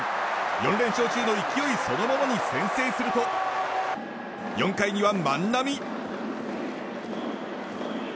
４連勝中の勢いそのままに先制すると４回には万波。